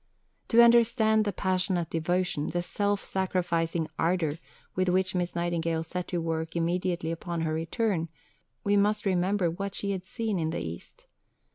To understand the passionate devotion, the self sacrificing ardour, with which Miss Nightingale set to work immediately upon her return, we must remember what she had seen in the East.